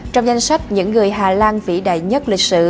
trong danh sách những người hà lan vĩ đại nhất lịch sử